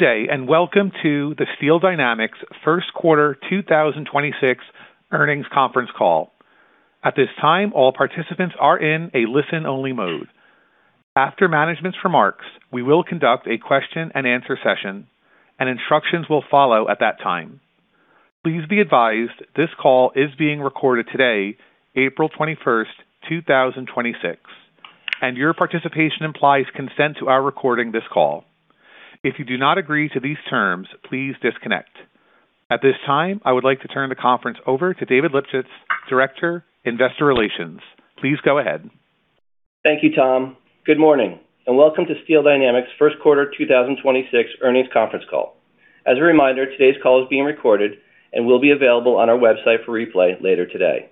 Good day, and welcome to the Steel Dynamics Q1 2026 Earnings Conference Call. At this time, all participants are in a listen-only mode. After management's remarks, we will conduct a question-and -answer session, and instructions will follow at that time. Please be advised this call is being recorded today, April 21st, 2026, and your participation implies consent to our recording this call. If you do not agree to these terms, please disconnect. At this time, I would like to turn the conference over to David Lipschitz, Director, Investor Relations. Please go ahead. Thank you, Tom. Good morning, and welcome to Steel Dynamics' Q1 2026 earnings conference call. As a reminder, today's call is being recorded and will be available on our website for replay later today.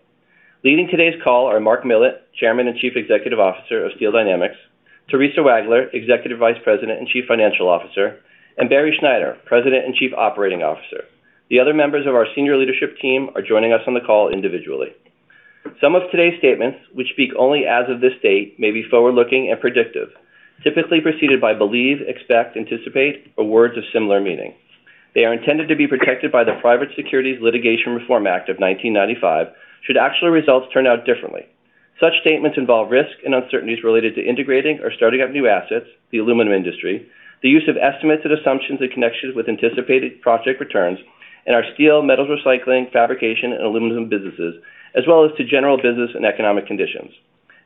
Leading today's call are Mark Millett, Chairman and Chief Executive Officer of Steel Dynamics, Theresa Wagler, Executive Vice President and Chief Financial Officer, and Barry Schneider, President and Chief Operating Officer. The other members of our senior leadership team are joining us on the call individually. Some of today's statements, which speak only as of this date, may be forward-looking and predictive, typically preceded by believe, expect, anticipate, or words of similar meaning. They are intended to be protected by the Private Securities Litigation Reform Act of 1995, should actual results turn out differently. Such statements involve risk and uncertainties related to integrating or starting up new assets, the aluminum industry, the use of estimates and assumptions in connection with anticipated project returns, and our steel, metals recycling, fabrication, and aluminum businesses, as well as to general business and economic conditions.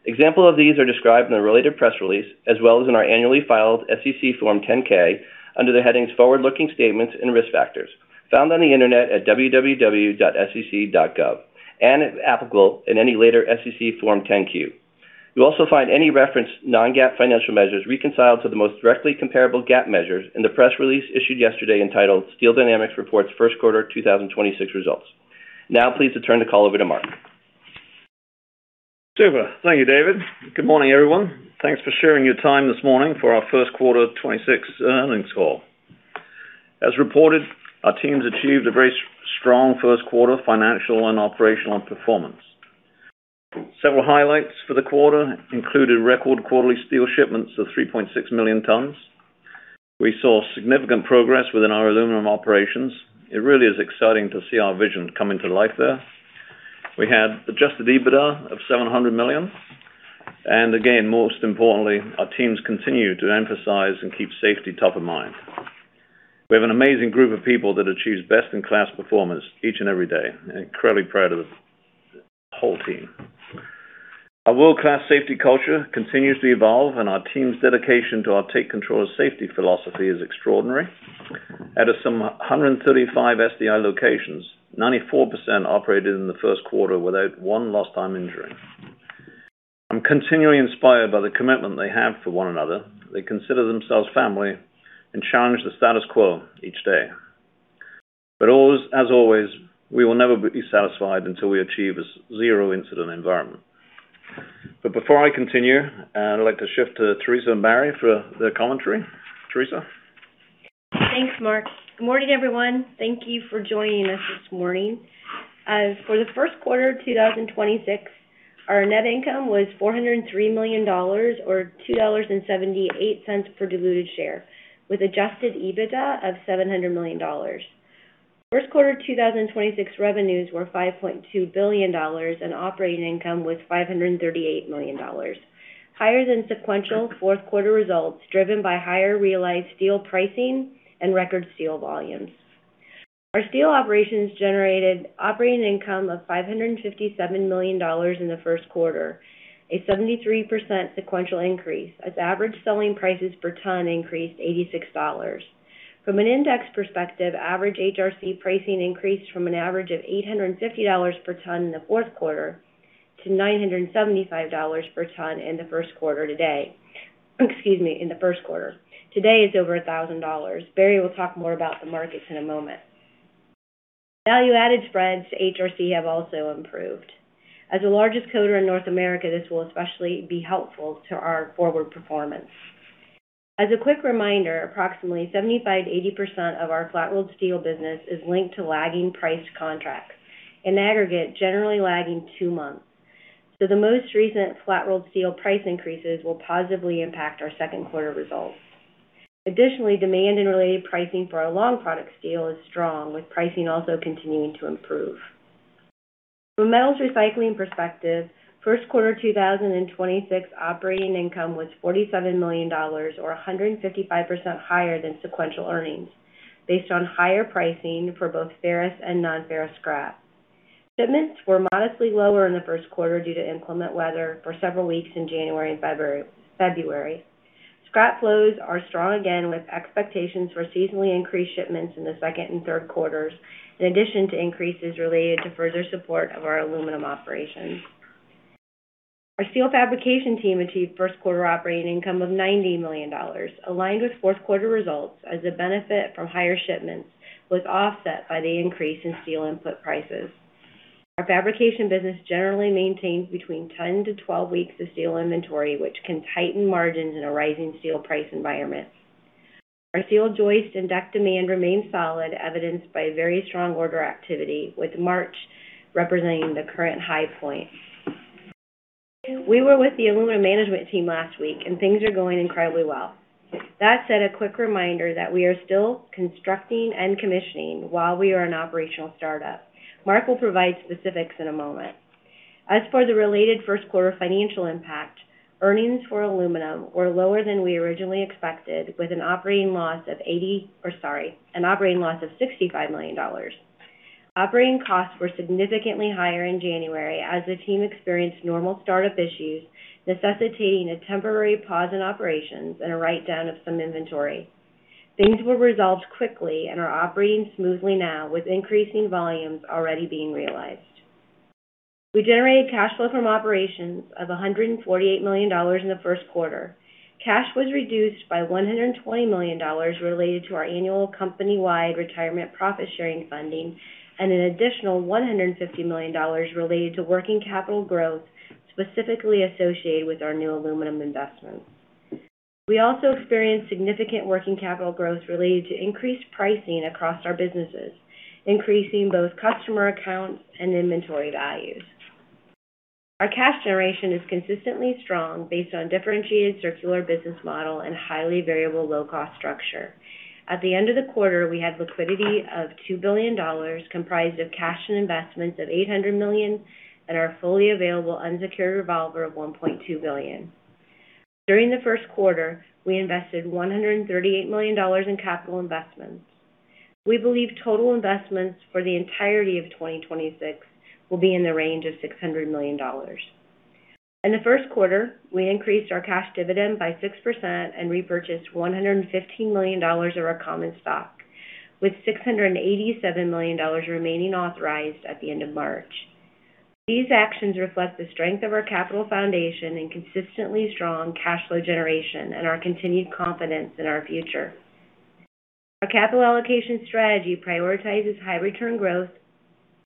Examples of these are described in the related press release as well as in our annually filed SEC Form 10-K under the headings Forward-Looking Statements and Risk Factors, found on the Internet at www.sec.gov, and applicable in any later SEC Form 10-Q. You'll also find any referenced non-GAAP financial measures reconciled to the most directly comparable GAAP measures in the press release issued yesterday entitled Steel Dynamics Reports Q1 2026 Results. Now, I'm pleased to turn the call over to Mark. Super. Thank you, David. Good morning, everyone. Thanks for sharing your time this morning for our Q1 2026 earnings call. As reported, our teams achieved a very strong first-quarter financial and operational performance. Several highlights for the quarter included record quarterly steel shipments of 3.6 million tons. We saw significant progress within our aluminum operations. It really is exciting to see our vision coming to life there. We had adjusted EBITDA of $700 million, and again, most importantly, our teams continue to emphasize and keep safety top of mind. We have an amazing group of people that achieves best-in-class performance each and every day. Incredibly proud of the whole team. Our world-class safety culture continues to evolve and our team's dedication to our take control safety philosophy is extraordinary. Out of some 135 SDI locations, 94% operated in the Q1 without one lost time injury. I'm continually inspired by the commitment they have for one another. They consider themselves family and challenge the status quo each day. As always, we will never be satisfied until we achieve a zero-incident environment. Before I continue, I'd like to shift to Theresa and Barry for their commentary. Theresa? Thanks, Mark. Good morning, everyone. Thank you for joining us this morning. For the Q1 2026, our net income was $403 million, or $2.78 per diluted share, with adjusted EBITDA of $700 million. Q1 2026 revenues were $5.2 billion and operating income was $538 million, higher than sequential Q4 results, driven by higher realized steel pricing and record steel volumes. Our steel operations generated operating income of $557 million in the Q1, a 73% sequential increase as average selling prices per ton increased $86. From an index perspective, average HRC pricing increased from an average of $850 per ton in the Q4 to $975 per ton in the Q1 today. Excuse me, in the Q1. Today, it's over $1,000. Barry will talk more about the markets in a moment. Value-added spreads to HRC have also improved. As the largest coater in North America, this will especially be helpful to our forward performance. As a quick reminder, approximately 75%-80% of our flat-rolled steel business is linked to lagging price contracts, in aggregate, generally lagging two months. The most recent flat-rolled steel price increases will positively impact our Q2 results. Additionally, demand and related pricing for our long product steel is strong, with pricing also continuing to improve. From a metals recycling perspective, Q1 2026 operating income was $47 million, or 155% higher than sequential earnings, based on higher pricing for both ferrous and non-ferrous scrap. Shipments were modestly lower in the Q1 due to inclement weather for several weeks in January and February. Scrap flows are strong again, with expectations for seasonally increased shipments in the Q2 and Q3s, in addition to increases related to further support of our aluminum operations. Our steel fabrication team achieved Q1 operating income of $90 million, aligned with Q4 results as a benefit from higher shipments was offset by the increase in steel input prices. Our fabrication business generally maintains between 10-12 weeks of steel inventory, which can tighten margins in a rising steel price environment. Our steel joist and deck demand remains solid, evidenced by very strong order activity, with March representing the current high point. We were with the Aluminum management team last week, and things are going incredibly well. That said, a quick reminder that we are still constructing and commissioning while we are in operational startup. Mark will provide specifics in a moment. As for the related Q1 financial impact, earnings for aluminum were lower than we originally expected, with an operating loss of $65 million. Operating costs were significantly higher in January as the team experienced normal startup issues, necessitating a temporary pause in operations and a write-down of some inventory. Things were resolved quickly and are operating smoothly now, with increasing volumes already being realized. We generated cash flow from operations of $148 million in the Q1. Cash was reduced by $120 million related to our annual company-wide retirement profit-sharing funding and an additional $150 million related to working capital growth, specifically associated with our new aluminum investment. We also experienced significant working capital growth related to increased pricing across our businesses, increasing both customer accounts and inventory values. Our cash generation is consistently strong based on differentiated circular business model and highly variable low-cost structure. At the end of the quarter, we had liquidity of $2 billion, comprised of cash and investments of $800 million and our fully available unsecured revolver of $1.2 billion. During the Q1, we invested $138 million in capital investments. We believe total investments for the entirety of 2026 will be in the range of $600 million. In the Q1, we increased our cash dividend by 6% and repurchased $115 million of our common stock, with $687 million remaining authorized at the end of March. These actions reflect the strength of our capital foundation and consistently strong cash flow generation and our continued confidence in our future. Our capital allocation strategy prioritizes high-return growth,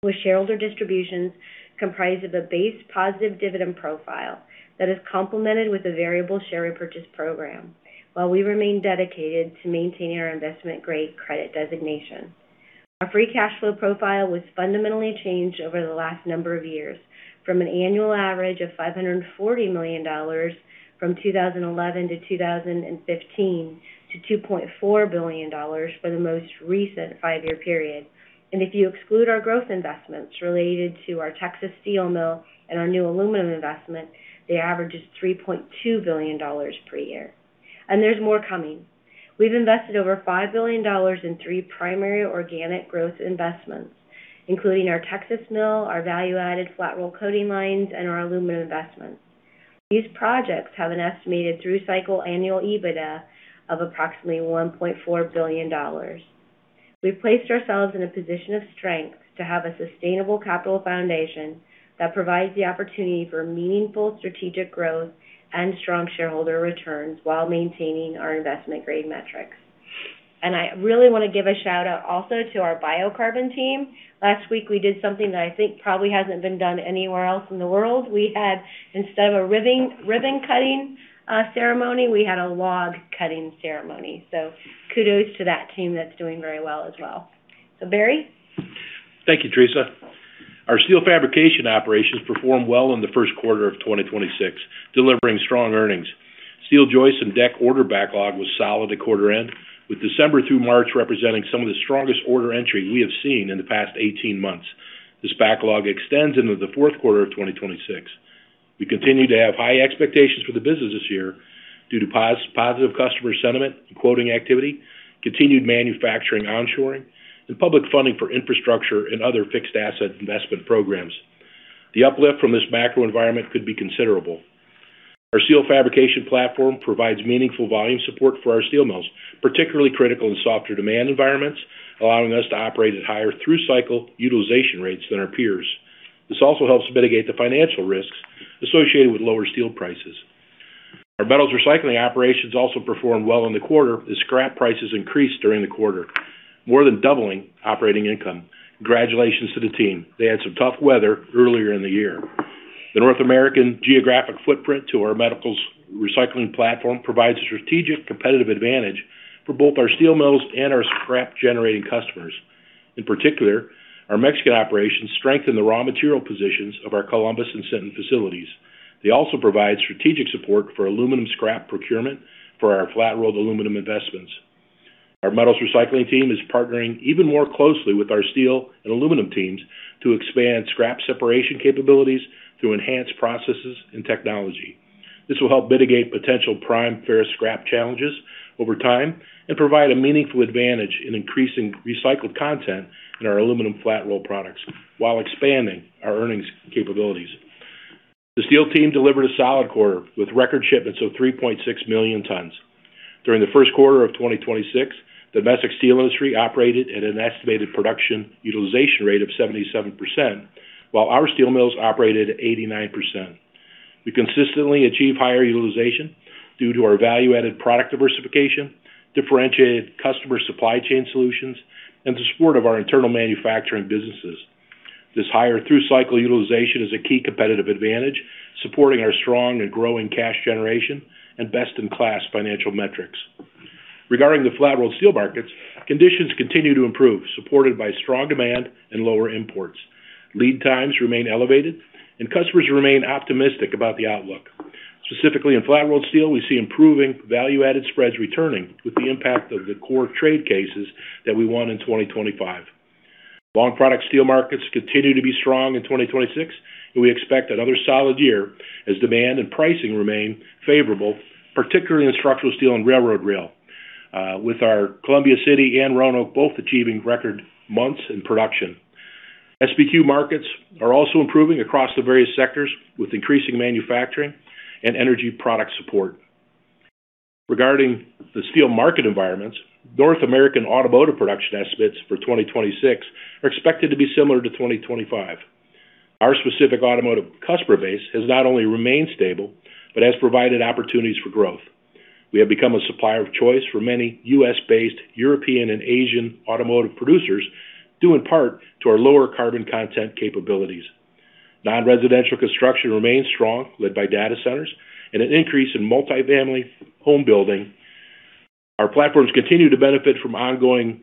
with shareholder distributions comprised of a base positive dividend profile that is complemented with a variable share repurchase program, while we remain dedicated to maintaining our investment-grade credit designation. Our free cash flow profile was fundamentally changed over the last number of years from an annual average of $540 million from 2011 to 2015 to $2.4 billion for the most recent five-year period. If you exclude our growth investments related to our Texas steel mill and our new aluminum investment, the average is $3.2 billion per year. There's more coming. We've invested over $5 billion in three primary organic growth investments, including our Texas mill, our value-added flat roll coating lines, and our aluminum investment. These projects have an estimated through-cycle annual EBITDA of approximately $1.4 billion. We placed ourselves in a position of strength to have a sustainable capital foundation that provides the opportunity for meaningful strategic growth and strong shareholder returns while maintaining our investment-grade metrics. I really want to give a shout-out also to our Biocarbon team. Last week, we did something that I think probably hasn't been done anywhere else in the world. We had, instead of a ribbon-cutting ceremony, we had a log-cutting ceremony. Kudos to that team. That's doing very well as well. Barry. Thank you, Theresa. Our steel fabrication operations performed well in the Q1 of 2026, delivering strong earnings. Steel joists and deck order backlog was solid at quarter end, with December through March representing some of the strongest order entry we have seen in the past 18 months. This backlog extends into the Q4 of 2026. We continue to have high expectations for the business this year due to positive customer sentiment and quoting activity, continued manufacturing onshoring, and public funding for infrastructure and other fixed asset investment programs. The uplift from this macro environment could be considerable. Our steel fabrication platform provides meaningful volume support for our steel mills, particularly critical in softer demand environments, allowing us to operate at higher through-cycle utilization rates than our peers. This also helps mitigate the financial risks associated with lower steel prices. Our metals recycling operations also performed well in the quarter as scrap prices increased during the quarter, more than doubling operating income. Congratulations to the team. They had some tough weather earlier in the year. The North American geographic footprint to our metals recycling platform provides strategic competitive advantage for both our steel mills and our scrap-generating customers. In particular, our Mexican operations strengthen the raw material positions of our Columbus and Sinton facilities. They also provide strategic support for aluminum scrap procurement for our flat rolled aluminum investments. Our metals recycling team is partnering even more closely with our steel and aluminum teams to expand scrap separation capabilities through enhanced processes and technology. This will help mitigate potential prime ferrous scrap challenges over time and provide a meaningful advantage in increasing recycled content in our aluminum flat roll products while expanding our earnings capabilities. The steel team delivered a solid quarter with record shipments of 3.6 million tons. During the Q1 of 2026, domestic steel industry operated at an estimated production utilization rate of 77%, while our steel mills operated at 89%. We consistently achieve higher utilization due to our value-added product diversification, differentiated customer supply chain solutions, and the support of our internal manufacturing businesses. This higher through-cycle utilization is a key competitive advantage, supporting our strong and growing cash generation and best-in-class financial metrics. Regarding the flat-rolled steel markets, conditions continue to improve, supported by strong demand and lower imports. Lead times remain elevated and customers remain optimistic about the outlook. Specifically in flat-rolled steel, we see improving value-added spreads returning with the impact of the core trade cases that we won in 2025. Long product steel markets continue to be strong in 2026, and we expect another solid year as demand and pricing remain favorable, particularly in structural steel and railroad rail, with our Columbia City and Roanoke both achieving record months in production. SBQ markets are also improving across the various sectors, with increasing manufacturing and energy product support. Regarding the steel market environments, North American automotive production estimates for 2026 are expected to be similar to 2025. Our specific automotive customer base has not only remained stable, but has provided opportunities for growth. We have become a supplier of choice for many U.S.-based European and Asian automotive producers, due in part to our lower carbon content capabilities. Non-residential construction remains strong, led by data centers and an increase in multifamily home building. Our platforms continue to benefit from ongoing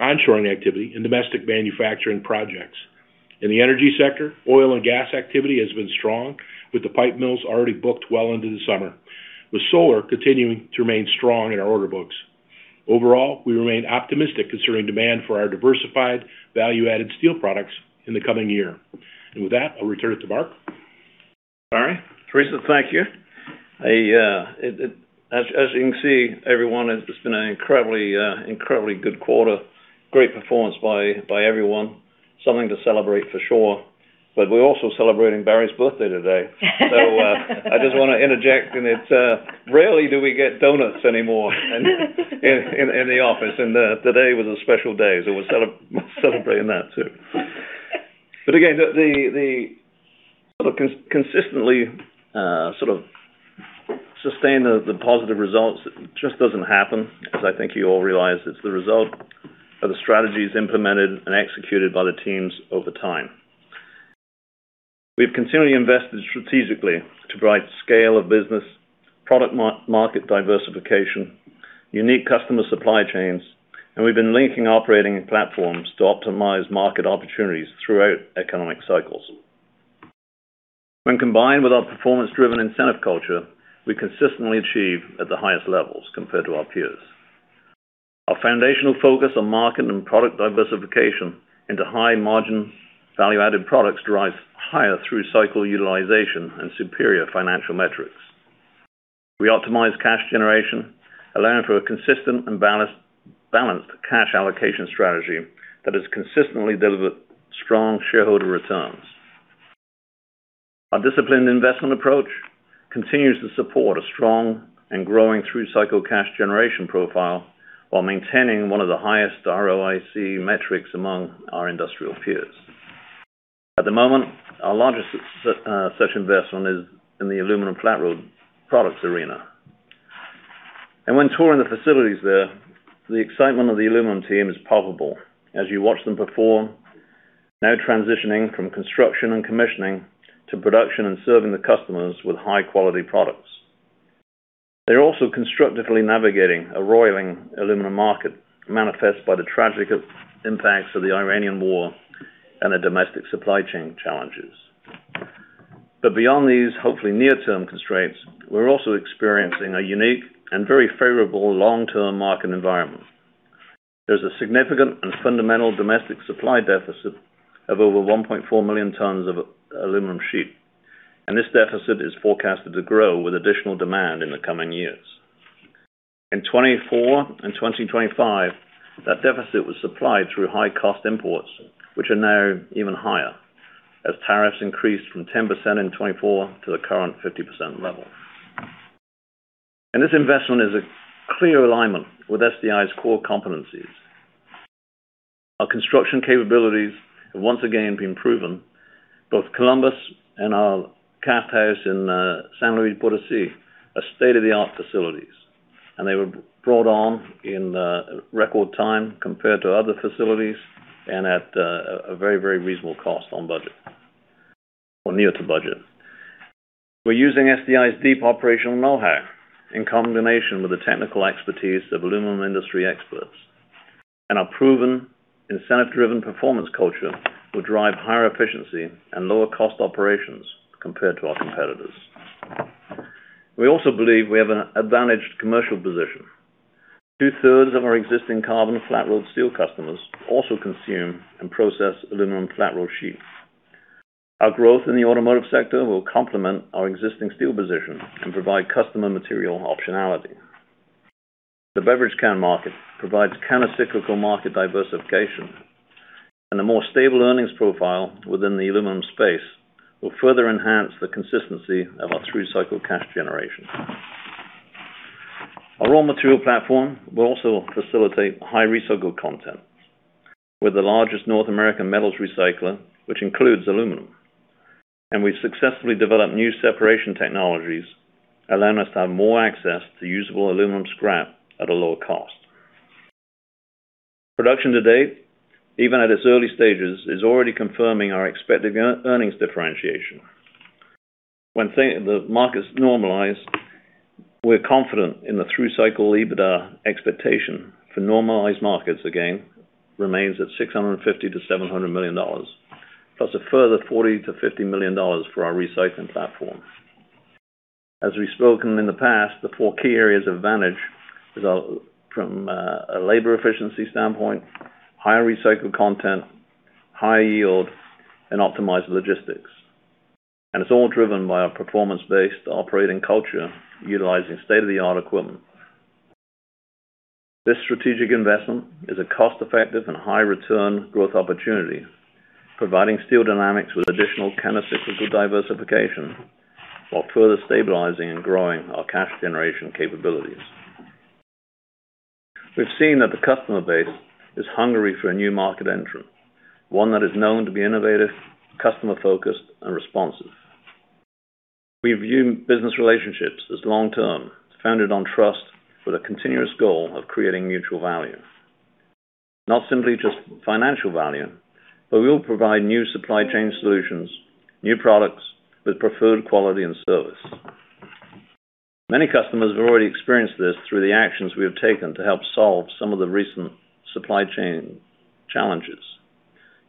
onshoring activity and domestic manufacturing projects. In the energy sector, oil and gas activity has been strong with the pipe mills already booked well into the summer, with solar continuing to remain strong in our order books. Overall, we remain optimistic considering demand for our diversified value-added steel products in the coming year. With that, I'll return it to Mark. Barry, Theresa, thank you. As you can see, everyone, it's been an incredibly good quarter. Great performance by everyone. Something to celebrate for sure. We're also celebrating Barry's birthday today. I just want to interject, and it's rarely do we get donuts anymore in the office, and today was a special day. We're celebrating that too. Again, the consistently sustained, the positive results, it just doesn't happen, as I think you all realize, it's the result of the strategies implemented and executed by the teams over time. We've continually invested strategically to drive scale of business, product market diversification, unique customer supply chains, and we've been linking operating platforms to optimize market opportunities throughout economic cycles. When combined with our performance-driven incentive culture, we consistently achieve at the highest levels compared to our peers. Our foundational focus on market and product diversification into high margin value-added products drives higher through-cycle utilization and superior financial metrics. We optimize cash generation, allowing for a consistent and balanced cash allocation strategy that has consistently delivered strong shareholder returns. Our disciplined investment approach continues to support a strong and growing through-cycle cash generation profile, while maintaining one of the highest ROIC metrics among our industrial peers. At the moment, our largest such investment is in the aluminum flat-rolled products arena. When touring the facilities there, the excitement of the aluminum team is palpable as you watch them perform, now transitioning from construction and commissioning to production and serving the customers with high-quality products. They're also constructively navigating a roiling aluminum market, manifest by the tragic impacts of the Iranian war and the domestic supply chain challenges. Beyond these, hopefully near-term constraints, we're also experiencing a unique and very favorable long-term market environment. There's a significant and fundamental domestic supply deficit of over 1.4 million tons of aluminum sheet, and this deficit is forecasted to grow with additional demand in the coming years. In 2024 and 2025, that deficit was supplied through high-cost imports, which are now even higher as tariffs increased from 10% in 2024 to the current 50% level. This investment is a clear alignment with SDI's core competencies. Our construction capabilities have once again been proven, both Columbus and our cast house in San Luis Potosí are state-of-the-art facilities, and they were brought on in record time compared to other facilities, and at a very reasonable cost on budget. Well, near to budget. We're using SDI's deep operational know-how in combination with the technical expertise of aluminum industry experts, and our proven incentive-driven performance culture will drive higher efficiency and lower cost operations compared to our competitors. We also believe we have an advantaged commercial position. Two-thirds of our existing carbon flat-rolled steel customers also consume and process aluminum flat-rolled sheets. Our growth in the automotive sector will complement our existing steel position and provide customer material optionality. The beverage can market provides counter-cyclical market diversification, and a more stable earnings profile within the aluminum space will further enhance the consistency of our through-cycle cash generation. Our raw material platform will also facilitate high recycled content. We're the largest North American metals recycler, which includes aluminum, and we've successfully developed new separation technologies, allowing us to have more access to usable aluminum scrap at a lower cost. Production to date, even at its early stages, is already confirming our expected earnings differentiation. When the markets normalize, we're confident in the through cycle EBITDA expectation for normalized markets again, remains at $650-$700 million, plus a further $40 million-$50 million for our recycling platform. As we've spoken in the past, the four key areas of advantage from a labor efficiency standpoint, higher recycled content, high yield, and optimized logistics. It's all driven by a performance-based operating culture utilizing state-of-the-art equipment. This strategic investment is a cost-effective and high return growth opportunity, providing Steel Dynamics with additional chemical diversification while further stabilizing and growing our cash generation capabilities. We've seen that the customer base is hungry for a new market entrant, one that is known to be innovative, customer-focused, and responsive. We view business relationships as long-term, founded on trust with a continuous goal of creating mutual value. Not simply just financial value, but we will provide new supply chain solutions, new products with preferred quality and service. Many customers have already experienced this through the actions we have taken to help solve some of the recent supply chain challenges.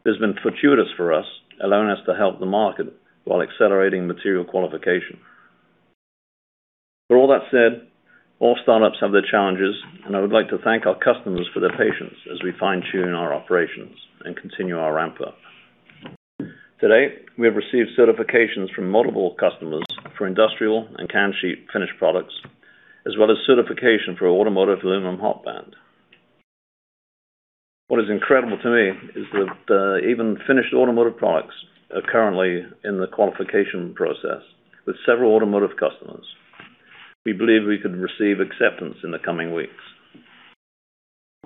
This has been fortuitous for us, allowing us to help the market while accelerating material qualification. For all that said, all startups have their challenges and I would like to thank our customers for their patience as we fine-tune our operations and continue our ramp up. Today, we have received certifications from multiple customers for industrial and can sheet finished products, as well as certification for automotive aluminum hot band. What is incredible to me is that even finished automotive products are currently in the qualification process with several automotive customers. We believe we could receive acceptance in the coming weeks.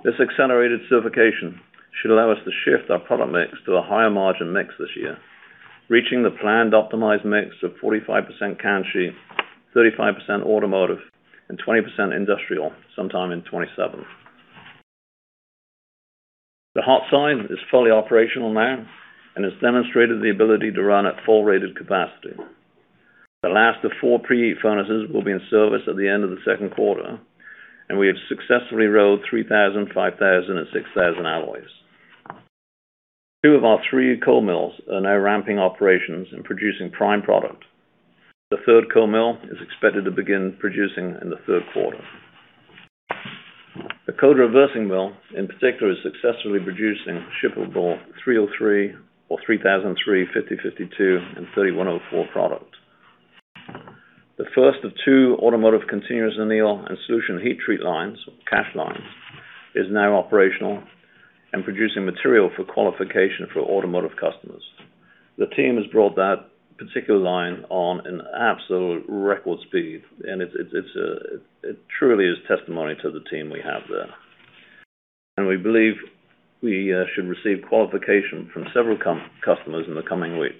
This accelerated certification should allow us to shift our product mix to a higher margin mix this year, reaching the planned optimized mix of 45% can sheet, 35% automotive, and 20% industrial sometime in 2027. The hot side is fully operational now and has demonstrated the ability to run at full-rated capacity. The last of four preheat furnaces will be in service at the end of the Q2, and we have successfully rolled 3,000, 5,000, and 6,000 alloys. Two of our three cold mills are now ramping operations and producing prime product. The third cold mill is expected to begin producing in the Q3. The cold reversing mill, in particular, is successfully producing shippable 303 or 3003, 5052, and 3104 products. The first of two automotive continuous anneal and solution heat treat lines, CASH lines, is now operational and producing material for qualification for automotive customers. The team has brought that particular line on in absolute record speed, and it truly is testimony to the team we have there. We believe we should receive qualification from several customers in the coming weeks.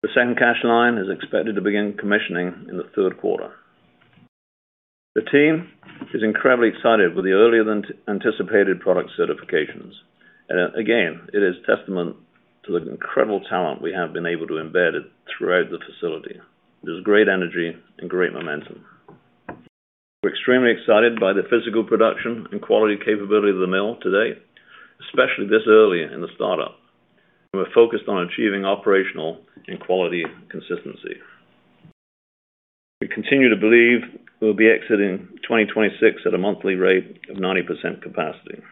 The second CASH line is expected to begin commissioning in the Q3. The team is incredibly excited with the earlier-than-anticipated product certifications. Again, it is testament to the incredible talent we have been able to embed throughout the facility. There's great energy and great momentum. We're extremely excited by the physical production and quality capability of the mill today, especially this early in the startup. We're focused on achieving operational and quality consistency. We continue to believe we'll be exiting 2026 at a monthly rate of 90% capacity.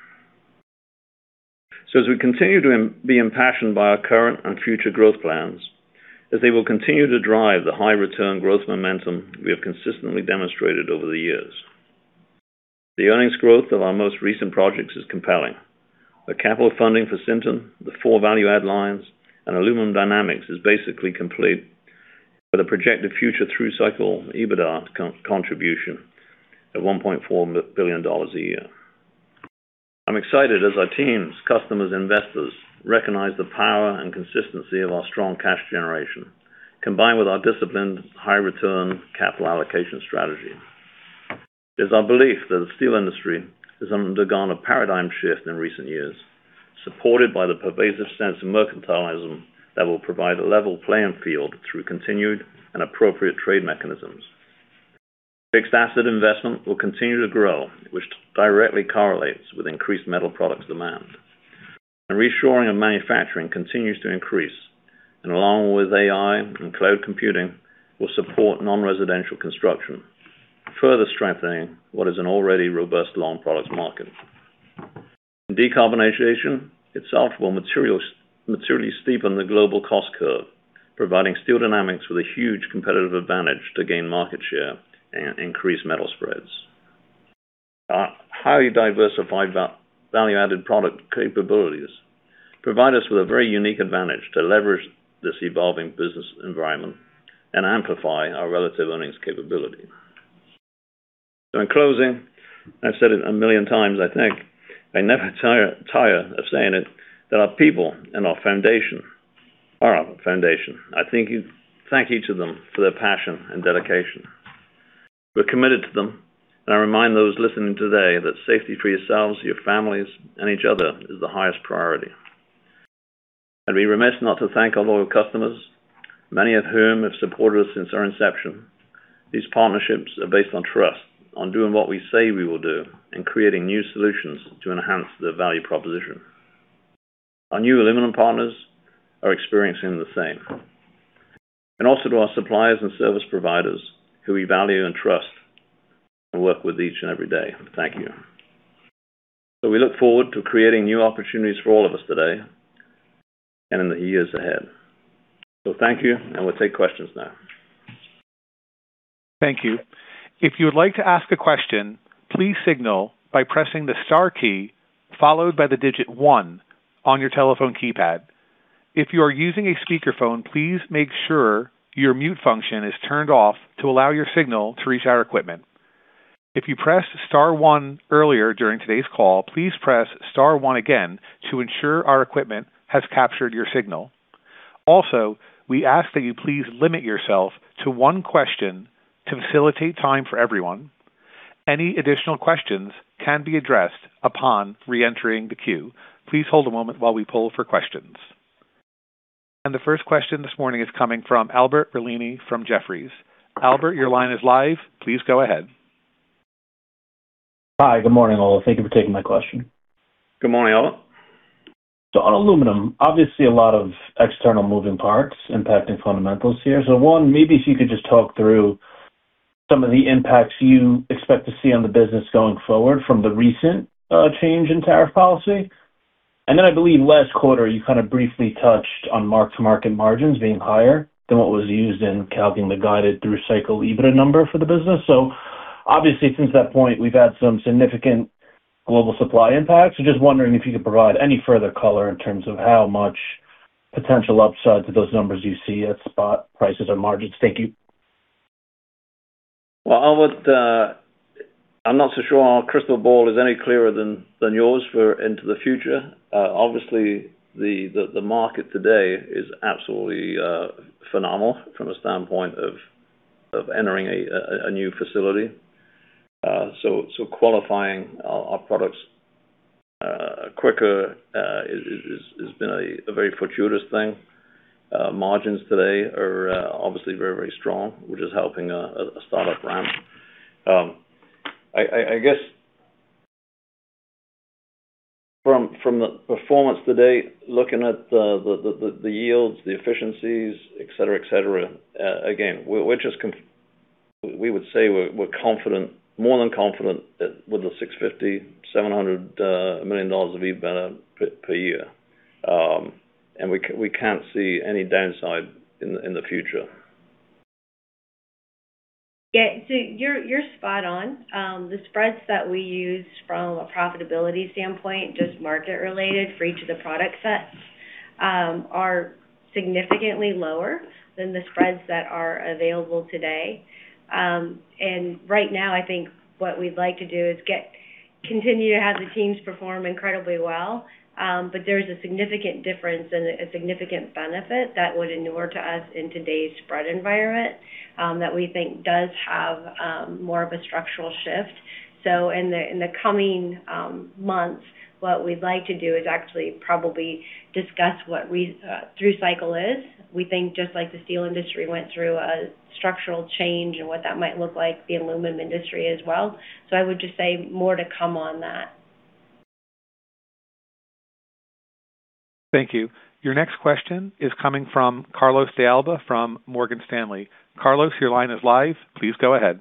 As we continue to be impassioned by our current and future growth plans, as they will continue to drive the high return growth momentum we have consistently demonstrated over the years. The earnings growth of our most recent projects is compelling. The capital funding for Sinton, the four value add lines, and Aluminum Dynamics is basically complete with a projected future through cycle EBITDA contribution of $1.4 billion a year. I'm excited as our teams, customers, investors recognize the power and consistency of our strong cash generation, combined with our disciplined high return capital allocation strategy. It's our belief that the steel industry has undergone a paradigm shift in recent years, supported by the pervasive sense of mercantilism that will provide a level playing field through continued and appropriate trade mechanisms. Fixed asset investment will continue to grow, which directly correlates with increased metal products demand. Reshoring of manufacturing continues to increase, and along with AI and cloud computing, will support non-residential construction, further strengthening what is an already robust long products market. Decarbonization itself will materially steepen the global cost curve, providing Steel Dynamics with a huge competitive advantage to gain market share and increase metal spreads. Our highly diversified value-added product capabilities provide us with a very unique advantage to leverage this evolving business environment and amplify our relative earnings capability. In closing, I've said it a million times, I think, I never tire of saying it, that our people and our foundation are our foundation. I thank each of them for their passion and dedication. We're committed to them, and I remind those listening today that safety for yourselves, your families, and each other is the highest priority. I'd be remiss not to thank our loyal customers, many of whom have supported us since our inception. These partnerships are based on trust, on doing what we say we will do, and creating new solutions to enhance the value proposition. Our new aluminum partners are experiencing the same. Also to our suppliers and service providers who we value and trust and work with each and every day. Thank you. We look forward to creating new opportunities for all of us today, and in the years ahead. Thank you, and we'll take questions now. Thank you. If you would like to ask a question, please signal by pressing the star key followed by the digit 1 on your telephone keypad. If you are using a speakerphone, please make sure your mute function is turned off to allow your signal to reach our equipment. If you pressed star 1 earlier during today's call, please press star 1 again to ensure our equipment has captured your signal. Also, we ask that you please limit yourself to one question to facilitate time for everyone. Any additional questions can be addressed upon reentering the queue. Please hold a moment while we poll for questions. The first question this morning is coming from Albert Realini from Jefferies. Albert, your line is live. Please go ahead. Hi. Good morning, all. Thank you for taking my question. Good morning, Albert. On aluminum, obviously a lot of external moving parts impacting fundamentals here. One, maybe if you could just talk through some of the impacts you expect to see on the business going forward from the recent change in tariff policy. Then I believe last quarter, you kind of briefly touched on mark-to-market margins being higher than what was used in calculating the guided through cycle EBITDA number for the business. Obviously since that point we've had some significant global supply impacts. Just wondering if you could provide any further color in terms of how much potential upside to those numbers you see at spot prices or margins. Thank you. Well, Albert, I'm not so sure our crystal ball is any clearer than yours far into the future. Obviously, the market today is absolutely phenomenal from a standpoint of entering a new facility. Qualifying our products quicker has been a very fortuitous thing. Margins today are obviously very, very strong, which is helping a startup ramp. I guess, from the performance today, looking at the yields, the efficiencies, et cetera, again, we would say we're more than confident with the $650 million-$700 million of EBITDA per year. We can't see any downside in the future. Yeah. You're spot on. The spreads that we use from a profitability standpoint, just market related for each of the product sets, are significantly lower than the spreads that are available today. Right now I think what we'd like to do is continue to have the teams perform incredibly well. There's a significant difference and a significant benefit that would inure to us in today's spread environment, that we think does have more of a structural shift. In the coming months, what we'd like to do is actually probably discuss what through cycle is. We think just like the steel industry went through a structural change and what that might look like, the aluminum industry as well. I would just say more to come on that. Thank you. Your next question is coming from Carlos de Alba from Morgan Stanley. Carlos, your line is live. Please go ahead.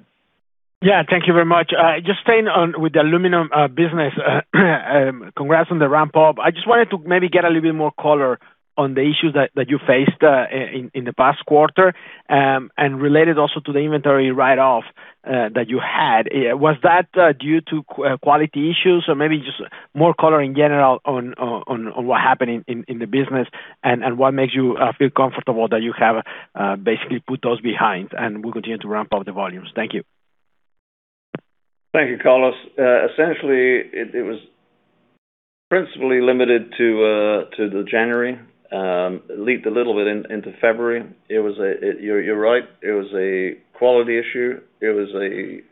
Yeah, thank you very much. Just staying on with the aluminum business. Congrats on the ramp up. I just wanted to maybe get a little bit more color on the issues that you faced in the past quarter, and related also to the inventory write-off that you had. Was that due to quality issues or maybe just more color in general on what happened in the business and what makes you feel comfortable that you have basically put those behind and will continue to ramp up the volumes? Thank you. Thank you, Carlos. Essentially, it was principally limited to the January. Leaked a little bit into February. You're right, it was a quality issue. It was a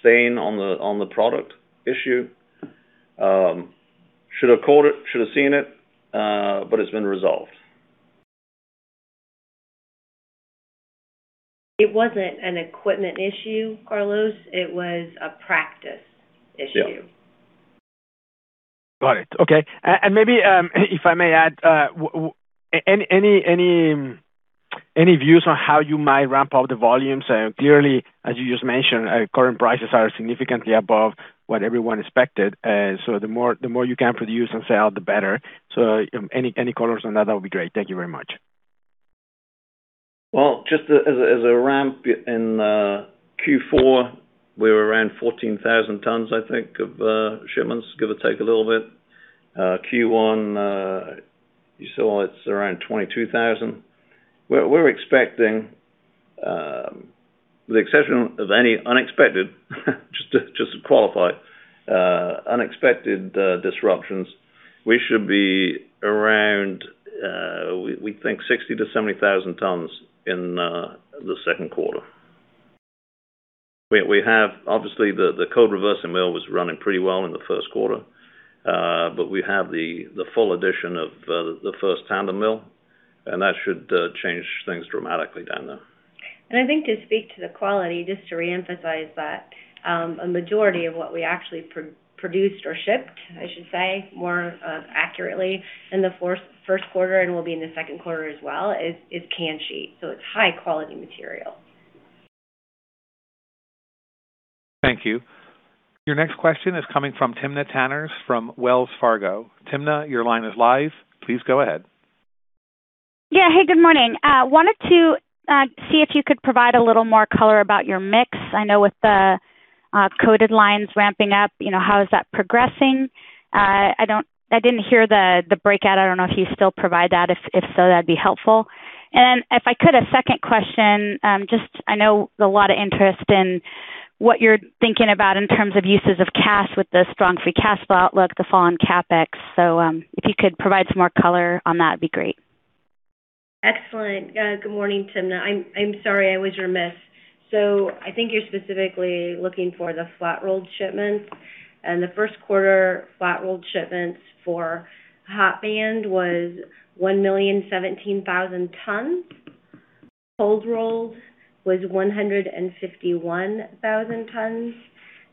stain on the product issue. Should have caught it, should have seen it, but it's been resolved. It wasn't an equipment issue, Carlos. It was a practice issue. Got it. Okay. Maybe, if I may add, any views on how you might ramp up the volumes? Clearly, as you just mentioned, current prices are significantly above what everyone expected. The more you can produce and sell, the better. Any colors on that would be great. Thank you very much. Well, just as a ramp in Q4, we were around 14,000 tons, I think, of shipments, give or take a little bit. Q1, you saw it's around 22,000. We're expecting, with the exception of any unexpected qualify unexpected disruptions. We should be around, we think, 60,000-70,000 tons in the Q2. We have, obviously, the cold reversing mill was running pretty well in the Q1. We have the full addition of the first tandem mill, and that should change things dramatically down there. I think to speak to the quality, just to reemphasize that, a majority of what we actually produced or shipped, I should say more accurately in the Q1 and will be in the Q2 as well, is can sheet. It's high-quality material. Thank you. Your next question is coming from Timna Tanners from Wells Fargo. Timna, your line is live. Please go ahead. Yeah. Hey, good morning. Wanted to see if you could provide a little more color about your mix. I know with the coated lines ramping up, how is that progressing? I didn't hear the breakout. I don't know if you still provide that. If so, that'd be helpful. Then if I could, a second question, just I know a lot of interest in what you're thinking about in terms of uses of cash with the strong free cash flow outlook, the fall in CapEx. If you could provide some more color on that'd be great. Excellent. Good morning, Timna. I'm sorry I was remiss. I think you're specifically looking for the flat-rolled shipments. The Q1 flat-rolled shipments for hot band was 1,017,000 tons. Cold rolled was 151,000 tons,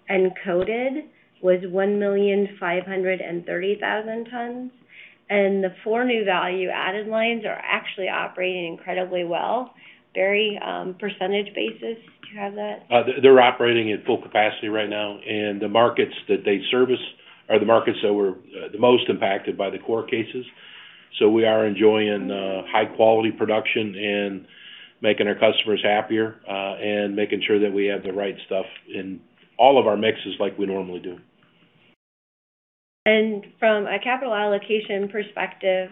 and coated was 1,530,000 tons. The four new value-added lines are actually operating incredibly well. Barry, percentage basis, do you have that? They're operating at full capacity right now, and the markets that they service are the markets that were the most impacted by the court cases. We are enjoying high-quality production and making our customers happier, and making sure that we have the right stuff in all of our mixes like we normally do. From a capital allocation perspective,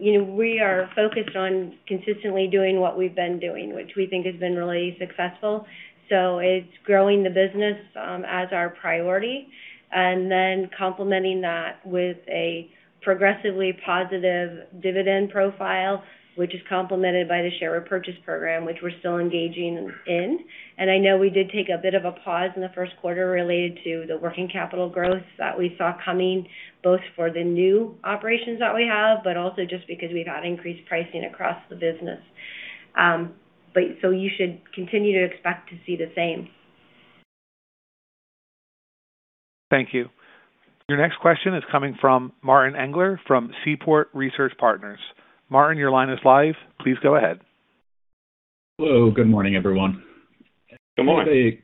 we are focused on consistently doing what we've been doing, which we think has been really successful. It's growing the business as our priority and then complementing that with a progressively positive dividend profile, which is complemented by the share repurchase program, which we're still engaging in. I know we did take a bit of a pause in the Q1 related to the working capital growth that we saw coming, both for the new operations that we have, but also just because we've had increased pricing across the business. You should continue to expect to see the same. Thank you. Your next question is coming from Martin Englert, from Seaport Research Partners. Martin, your line is live. Please go ahead. Hello. Good morning, everyone. Good morning.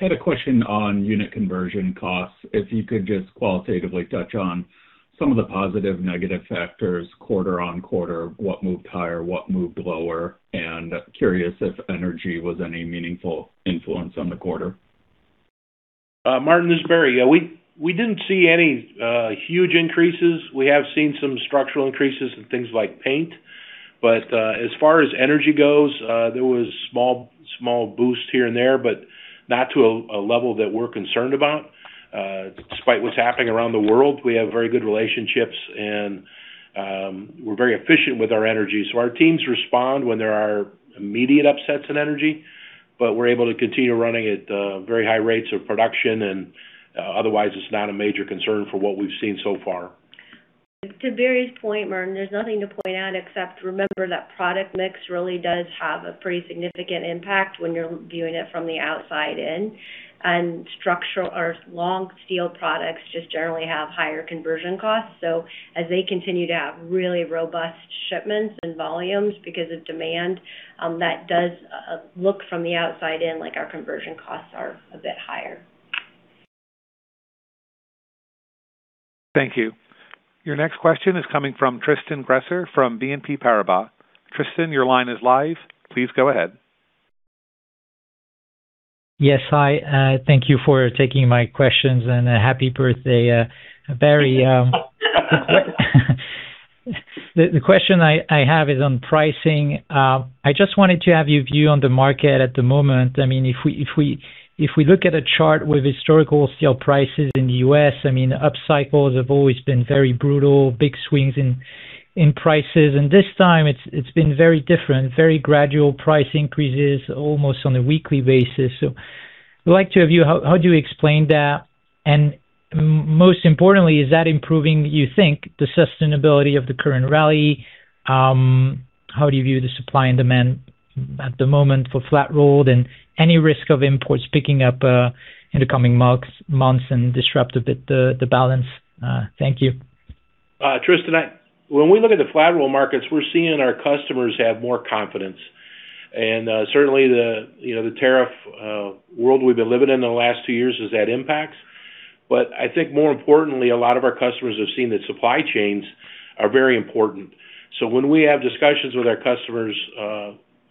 I had a question on unit conversion costs. If you could just qualitatively touch on some of the positive, negative factors quarter-over-quarter, what moved higher, what moved lower? Curious if energy was any meaningful influence on the quarter? Martin, this is Barry. Yeah, we didn't see any huge increases. We have seen some structural increases in things like paint. As far as energy goes, there was small boosts here and there, but not to a level that we're concerned about. Despite what's happening around the world, we have very good relationships and we're very efficient with our energy. Our teams respond when there are immediate upsets in energy, but we're able to continue running at very high rates of production, and otherwise, it's not a major concern for what we've seen so far. To Barry's point, Martin, there's nothing to point out except remember that product mix really does have a pretty significant impact when you're viewing it from the outside in. Structural or long steel products just generally have higher conversion costs. As they continue to have really robust shipments and volumes because of demand, that does look from the outside in like our conversion costs are a bit higher. Thank you. Your next question is coming from Tristan Gresser from BNP Paribas. Tristan, your line is live. Please go ahead. Yes. Hi. Thank you for taking my questions, and happy birthday, Barry. The question I have is on pricing. I just wanted to have your view on the market at the moment. If we look at a chart with historical steel prices in the U.S., upcycles have always been very brutal, big swings in prices, and this time it's been very different. Very gradual price increases almost on a weekly basis. We'd like to have you, how do you explain that? And most importantly, is that improving, you think, the sustainability of the current rally? How do you view the supply and demand at the moment for flat-rolled and any risk of imports picking up, in the coming months and disrupt a bit the balance? Thank you. Tristan, when we look at the flat roll markets, we're seeing our customers have more confidence. Certainly the tariff world we've been living in the last two years has had impacts. I think more importantly, a lot of our customers have seen that supply chains are very important. When we have discussions with our customers,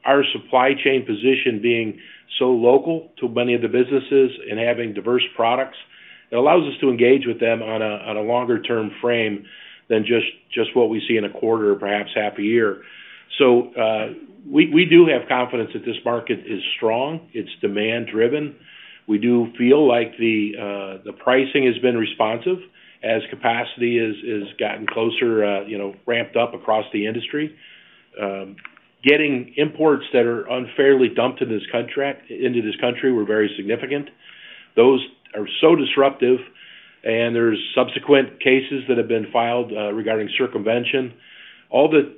our supply chain position being so local to many of the businesses and having diverse products. It allows us to engage with them on a longer term frame than just what we see in a quarter, perhaps half a year. We do have confidence that this market is strong. It's demand driven. We do feel like the pricing has been responsive as capacity has gotten closer, ramped up across the industry. Getting imports that are unfairly dumped into this country were very significant. Those are so disruptive, and there's subsequent cases that have been filed regarding circumvention. All the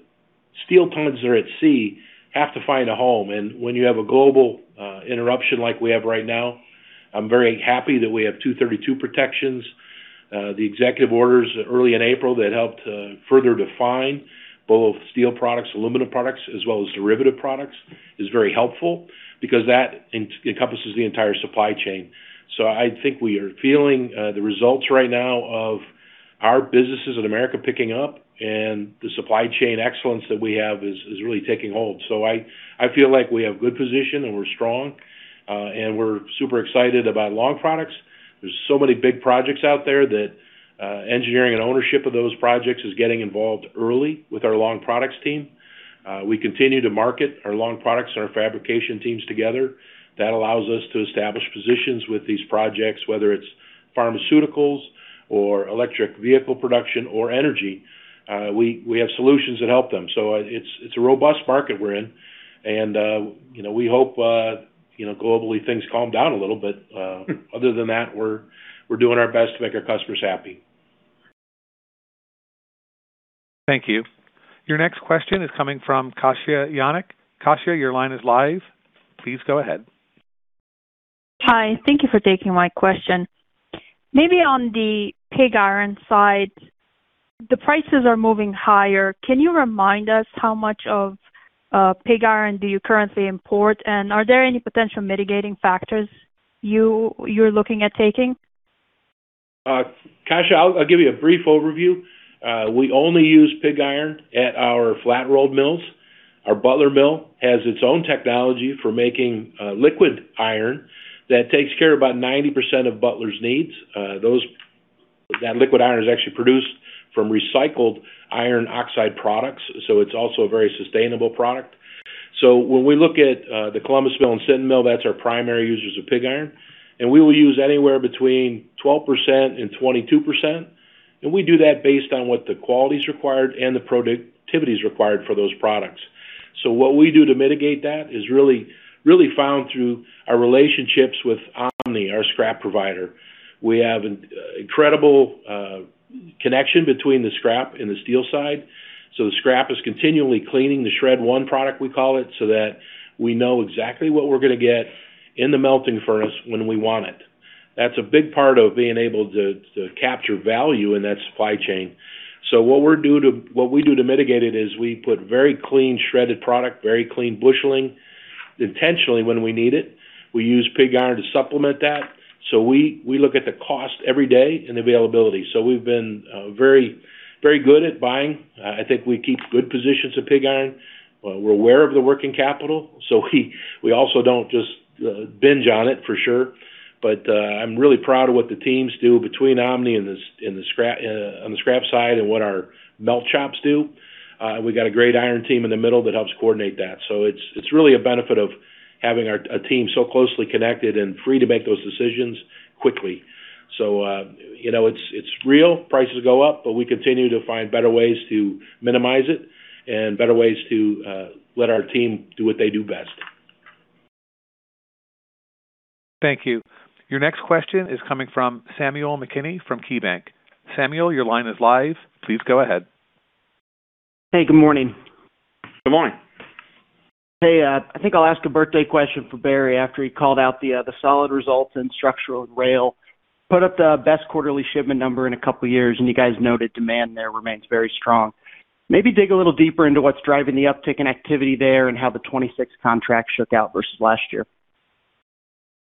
steel tons that are at sea have to find a home. When you have a global interruption like we have right now, I'm very happy that we have Section 232 protections. The executive orders early in April that helped further define both steel products, aluminum products, as well as derivative products is very helpful because that encompasses the entire supply chain. I think we are feeling the results right now of our businesses in America picking up, and the supply chain excellence that we have is really taking hold. I feel like we have good position, and we're strong, and we're super excited about long products. There's so many big projects out there that engineering and ownership of those projects is getting involved early with our long products team. We continue to market our long products and our fabrication teams together. That allows us to establish positions with these projects, whether it's pharmaceuticals or electric vehicle production or energy. We have solutions that help them. It's a robust market we're in. We hope globally, things calm down a little bit. Other than that, we're doing our best to make our customers happy. Thank you. Your next question is coming from Katja Jancic. Katja, your line is live. Please go ahead. Hi. Thank you for taking my question. Maybe on the pig iron side, the prices are moving higher. Can you remind us how much of pig iron do you currently import? And are there any potential mitigating factors you're looking at taking? Katja, I'll give you a brief overview. We only use pig iron at our flat-rolled mills. Our Butler Mill has its own technology for making liquid iron that takes care of about 90% of Butler's needs. That liquid iron is actually produced from recycled iron oxide products, so it's also a very sustainable product. When we look at the Columbus Mill and Sinton Mill, that's our primary users of pig iron, and we will use anywhere between 12%-22%. We do that based on what the quality is required and the productivity is required for those products. What we do to mitigate that is really found through our relationships with OmniSource, our scrap provider. We have an incredible connection between the scrap and the steel side. The scrap is continually cleaning the SHRED-1 product we call it, so that we know exactly what we're going to get in the melting furnace when we want it. That's a big part of being able to capture value in that supply chain. What we do to mitigate it is we put very clean, shredded product, very clean busheling, intentionally when we need it. We use pig iron to supplement that. We look at the cost every day and availability. We've been very good at buying. I think we keep good positions of pig iron. We're aware of the working capital, so we also don't just binge on it for sure. But I'm really proud of what the teams do between OmniSource on the scrap side and what our melt shops do. We got a great iron team in the middle that helps coordinate that. It's really a benefit of having a team so closely connected and free to make those decisions quickly. It's real. Prices go up, but we continue to find better ways to minimize it and better ways to let our team do what they do best. Thank you. Your next question is coming from Samuel McKinney from KeyBanc Capital Markets. Samuel, your line is live. Please go ahead. Hey, good morning. Good morning. Hey, I think I'll ask a brief question for Barry after he called out the solid results in structural and rail. It put up the best quarterly shipment number in a couple of years, and you guys noted demand there remains very strong. Maybe dig a little deeper into what's driving the uptick in activity there and how the 2026 contract shook out versus last year.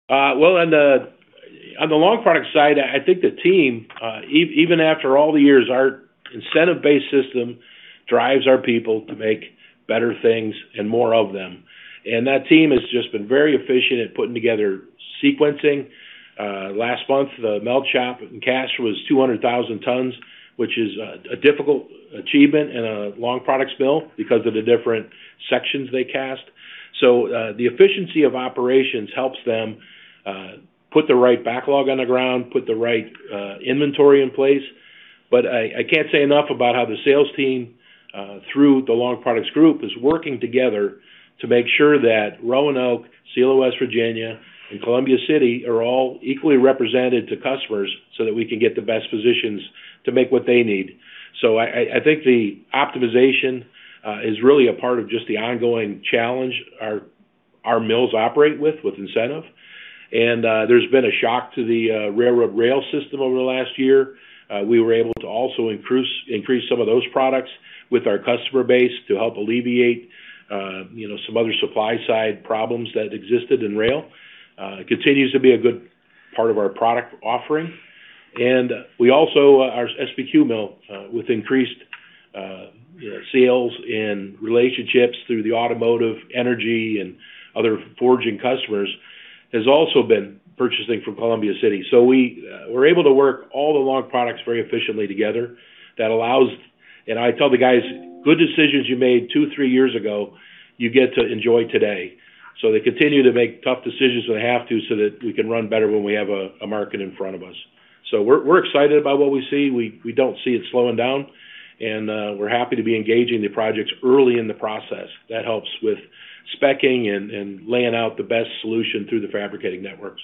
Well, on the long product side, I think the team even after all the years, our incentive-based system drives our people to make better things and more of them. That team has just been very efficient at putting together sequencing. Last month, the melt shop in cast was 200,000 tons, which is a difficult achievement in a long products mill because of the different sections they cast. The efficiency of operations helps them put the right backlog on the ground, put the right inventory in place. I can't say enough about how the sales team, through the long products group, is working together to make sure that Roanoke, Ceredo, West Virginia, and Columbia City are all equally represented to customers so that we can get the best positions to make what they need. I think the optimization is really a part of just the ongoing challenge our mills operate with incentive. There's been a shock to the railroad rail system over the last year. We were able to also increase some of those products with our customer base to help alleviate some other supply-side problems that existed in rail. It continues to be a good part of our product offering. We also, our SBQ mill with increased Sales and relationships through the automotive energy and other forging customers has also been purchasing from Columbia City. We're able to work all the long products very efficiently together. I tell the guys, "Good decisions you made two, three years ago, you get to enjoy today." They continue to make tough decisions when they have to so that we can run better when we have a market in front of us. We're excited about what we see. We don't see it slowing down, and we're happy to be engaging the projects early in the process. That helps with speccing and laying out the best solution through the fabricating networks.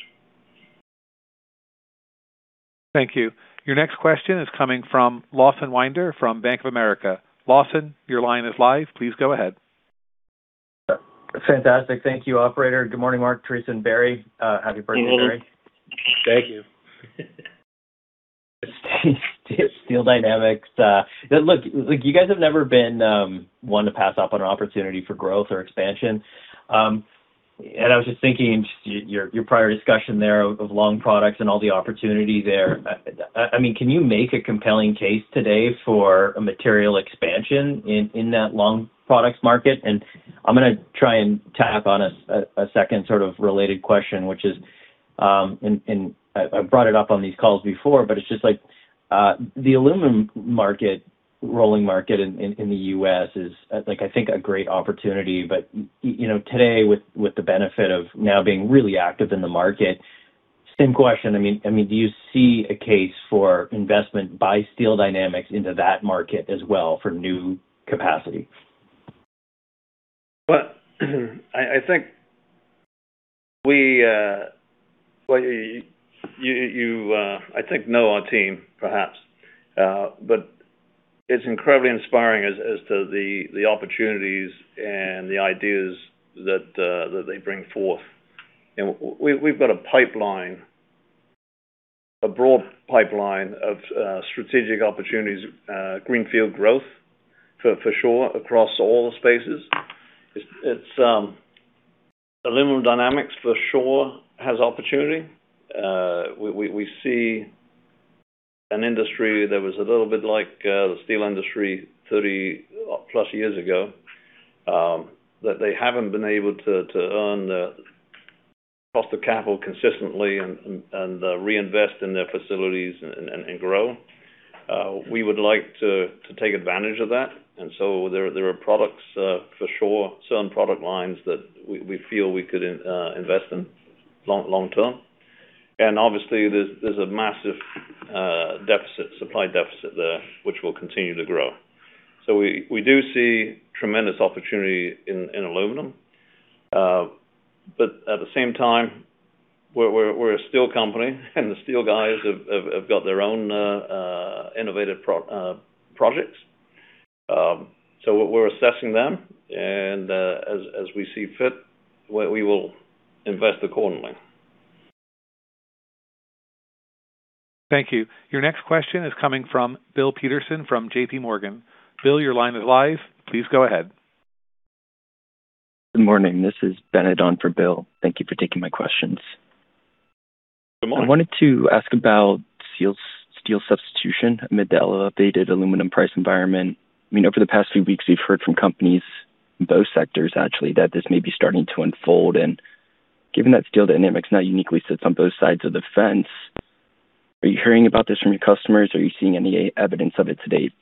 Thank you. Your next question is coming from Lawson Winder from Bank of America. Lawson, your line is live. Please go ahead. Fantastic. Thank you, operator. Good morning, Mark, Theresa, and Barry. Happy birthday, Barry. Thank you. Steel Dynamics. Look, you guys have never been one to pass up an opportunity for growth or expansion. I was just thinking, your prior discussion there of long products and all the opportunity there. Can you make a compelling case today for a material expansion in that long products market? I'm going to try and tack on a second sort of related question, which is, and I've brought it up on these calls before, but it's just like the aluminum rolling market in the U.S. is, I think, a great opportunity. Today, with the benefit of now being really active in the market, same question. Do you see a case for investment by Steel Dynamics into that market as well for new capacity? Well, I think you know our team perhaps. It's incredibly inspiring as to the opportunities and the ideas that they bring forth. We've got a broad pipeline of strategic opportunities, greenfield growth, for sure, across all the spaces. Aluminum Dynamics, for sure, has opportunity. We see an industry that was a little bit like the steel industry 30+ years ago, that they haven't been able to earn the cost of capital consistently and reinvest in their facilities and grow. We would like to take advantage of that. There are products for sure, certain product lines that we feel we could invest in long-term. Obviously, there's a massive supply deficit there, which will continue to grow. We do see tremendous opportunity in aluminum. At the same time, we're a steel company, and the steel guys have got their own innovative projects. We're assessing them, and as we see fit, we will invest accordingly. Thank you. Your next question is coming from Bill Peterson from JPMorgan. Bill, your line is live. Please go ahead. Good morning. This is Bennett Moore on for Bill. Thank you for taking my questions. Good morning. I wanted to ask about steel substitution amid the elevated aluminum price environment. Over the past few weeks, we've heard from companies in both sectors actually that this may be starting to unfold. Given that Steel Dynamics now uniquely sits on both sides of the fence, are you hearing about this from your customers? Are you seeing any evidence of it to date?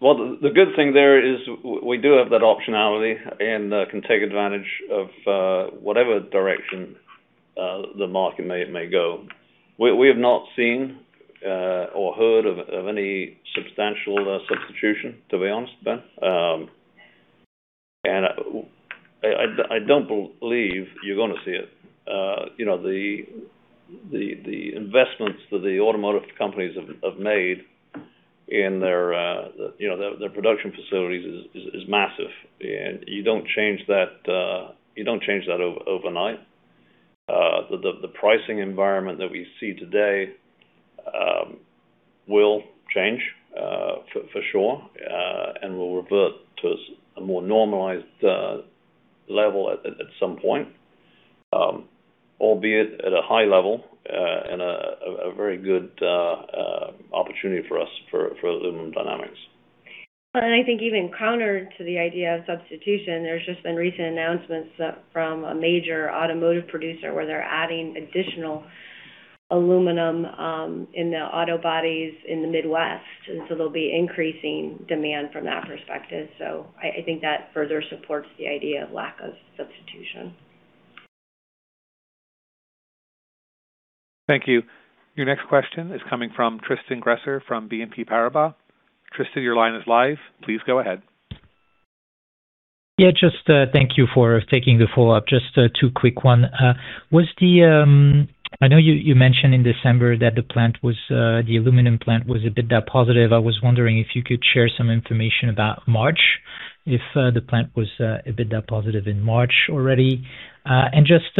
Well, the good thing there is we do have that optionality and can take advantage of whatever direction the market may go. We have not seen or heard of any substantial substitution, to be honest, Bennett. I don't believe you're going to see it. The investments that the automotive companies have made in their production facilities is massive. You don't change that overnight. The pricing environment that we see today will change for sure and will revert to a more normalized level at some point, albeit at a high level and a very good opportunity for us for Aluminum Dynamics. I think even counter to the idea of substitution, there's just been recent announcements from a major automotive producer where they're adding additional aluminum in the auto bodies in the Midwest, and so they'll be increasing demand from that perspective. I think that further supports the idea of lack of substitution. Thank you. Your next question is coming from Tristan Gresser from BNP Paribas. Tristan, your line is live. Please go ahead. Yeah. Thank you for taking the follow-up. Just two quick one. I know you mentioned in December that the aluminum plant was EBITDA positive. I was wondering if you could share some information about March, if the plant was EBITDA positive in March already. Just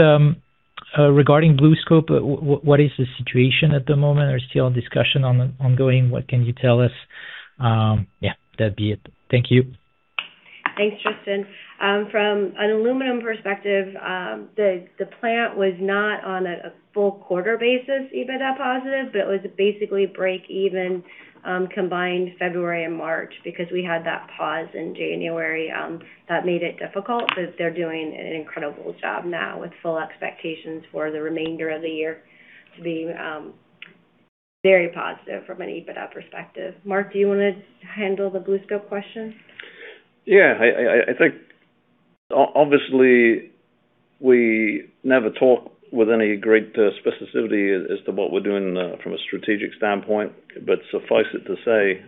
regarding BlueScope, what is the situation at the moment? Are discussions still ongoing? What can you tell us? Yeah, that'd be it. Thank you. Thanks, Tristan. From an aluminum perspective, the plant was not on a full quarter basis, EBITDA positive, but it was basically break even combined February and March, because we had that pause in January that made it difficult. They're doing an incredible job now with full expectations for the remainder of the year to be very positive from an EBITDA perspective. Mark, do you want to handle the BlueScope question? Yeah. I think, obviously, we never talk with any great specificity as to what we're doing from a strategic standpoint. Suffice it to say,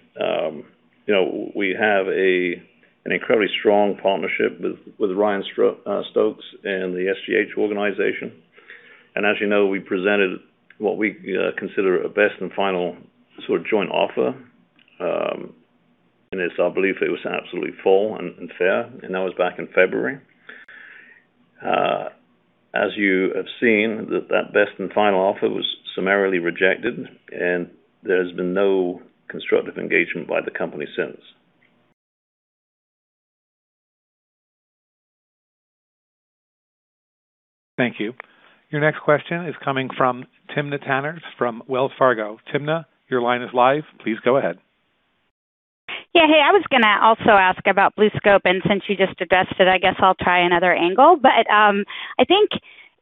we have an incredibly strong partnership with Ryan Stokes and the SGH organization. As you know, we presented what we consider a best and final sort of joint offer. It's our belief it was absolutely full and fair, and that was back in February. As you have seen, that best and final offer was summarily rejected, and there's been no constructive engagement by the company since. Thank you. Your next question is coming from Timna Tanners from Wells Fargo. Timna, your line is live. Please go ahead. Yeah. Hey, I was going to also ask about BlueScope, and since you just addressed it, I guess I'll try another angle. I think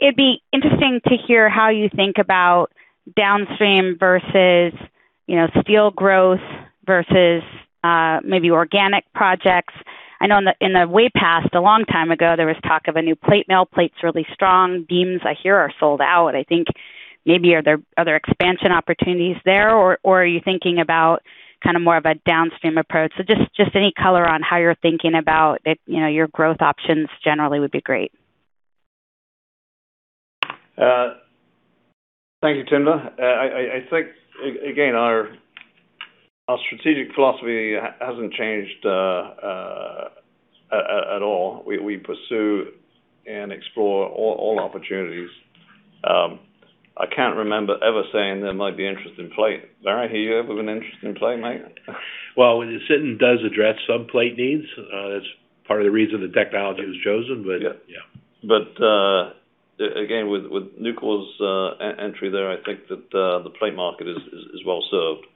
it'd be interesting to hear how you think about downstream versus steel growth versus maybe organic projects. I know in the way past, a long time ago, there was talk of a new plate mill. Plate's really strong. Beams, I hear, are sold out. I think maybe are there other expansion opportunities there, or are you thinking about kind of more of a downstream approach? Just any color on how you're thinking about your growth options generally would be great. Thank you, Timna. I think, again, our strategic philosophy hasn't changed at all. We pursue and explore all opportunities. I can't remember ever saying there might be interest in plate. Barry, are you here with an interest in plate, mate? Well, Sinton does address some plate needs. It's part of the reason the technology was chosen. Yeah Yeah. Again, with Nucor's entry there, I think that the plate market is well served.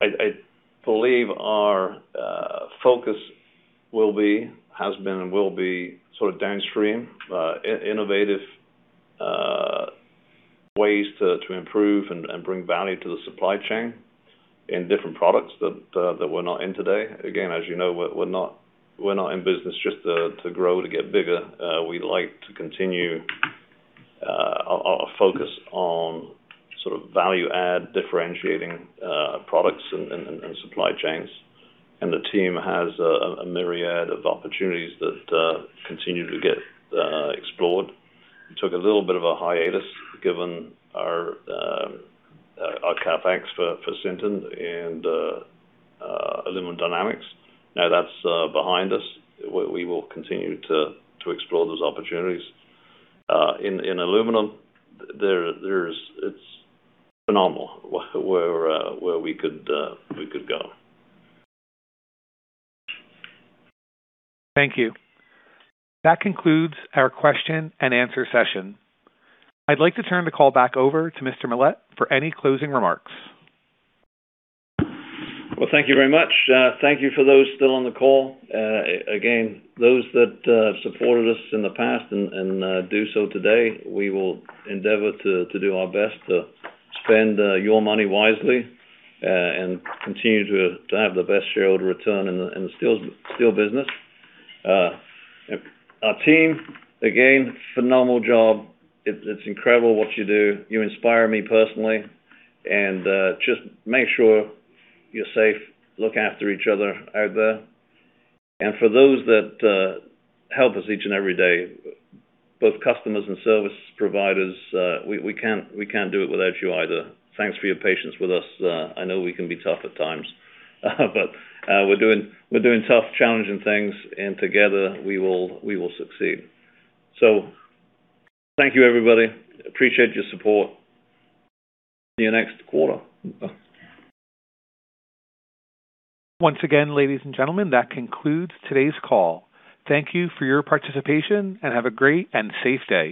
I believe our focus has been and will be sort of downstream, innovative ways to improve and bring value to the supply chain in different products that we're not in today. Again, as you know, we're not in business just to grow, to get bigger. We like to continue our focus on sort of value add differentiating products and supply chains. The team has a myriad of opportunities that continue to get explored. We took a little bit of a hiatus given our CapEx for Sinton and Aluminum Dynamics. Now that's behind us. We will continue to explore those opportunities. In aluminum, it's phenomenal where we could go. Thank you. That concludes our question-and-answer session. I'd like to turn the call back over to Mark Millett for any closing remarks. Well, thank you very much. Thank you for those still on the call. Again, those that have supported us in the past and do so today, we will endeavor to do our best to spend your money wisely, and continue to have the best shareholder return in the steel business. Our team, again, phenomenal job. It's incredible what you do. You inspire me personally. Just make sure you're safe. Look after each other out there. For those that help us each and every day, both customers and service providers, we can't do it without you either. Thanks for your patience with us. I know we can be tough at times, but we're doing tough, challenging things, and together we will succeed. Thank you, everybody. Appreciate your support. See you next quarter. Once again, ladies and gentlemen, that concludes today's call. Thank you for your participation, and have a great and safe day.